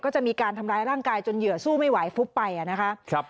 ก็จะมีการทำร้ายร่างกายจนเหยื่อสู้ไม่ไหวฟุบไปอ่ะนะคะ